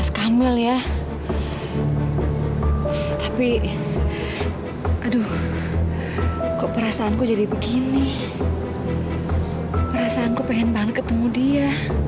sampai jumpa di video selanjutnya